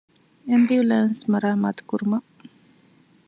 އެމްބިއުލާންސް މަރާމާތުކުރުމަށް